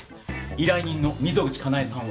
依頼人の溝口カナエさんは？